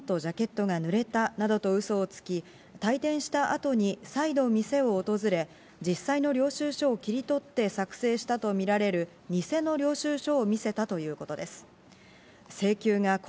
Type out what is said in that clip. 笠原容疑者は店で席に座ったらズボンとジャケットが濡れたなどとウソをつき、退店した後に再度、店を訪れ、実際の領収書を切り取って作成したとみられるニセの領収書を見せたということです。